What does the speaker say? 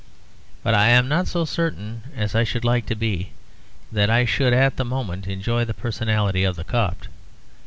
But I am not so certain as I should like to be, that I should at that moment enjoy the personality of the Copt.